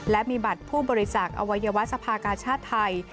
และมีบัตรผู้บริจาคอวัยวะสภากาชาติไทย